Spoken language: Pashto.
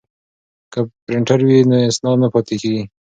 که پرینټر وي نو اسناد نه پاتیږي.